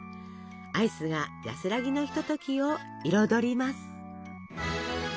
アイスが安らぎのひとときを彩ります。